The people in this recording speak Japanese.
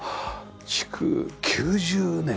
築９０年。